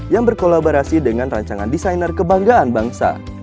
yang berkolaborasi dengan rancangan desainer kebanggaan bangsa